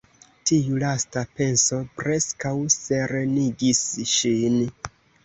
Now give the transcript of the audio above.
Tiu lasta penso preskaŭ serenigis ŝin.